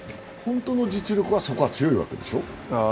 本当の実力は、そこは強いわけでしょう？